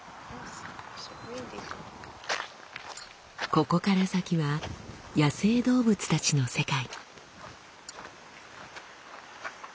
ここから先は野生動物たちの世界。